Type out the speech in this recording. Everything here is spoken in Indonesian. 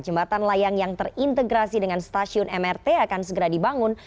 jembatan layang yang terintegrasi dengan stasiun mrt akan segera dibangun